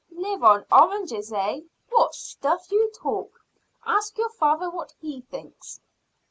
"Live on oranges, eh? What stuff you talk! Ask your father what he thinks."